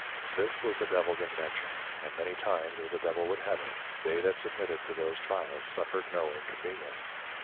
This was the Devil's Invention, and many times (as the Devil would have it) they that submitted to these Tryals suffered no inconvenience.